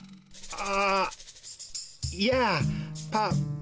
あ！